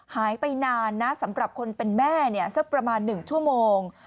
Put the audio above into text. หายไปนานนะสำหรับคนเป็นแม่สักประมาณ๑ชั่วโมง